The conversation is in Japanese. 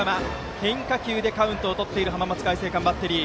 変化球でカウントをとっている浜松開誠館バッテリー。